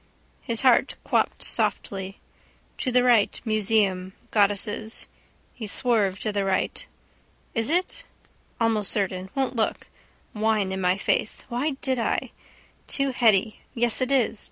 His heart quopped softly. To the right. Museum. Goddesses. He swerved to the right. Is it? Almost certain. Won't look. Wine in my face. Why did I? Too heady. Yes, it is.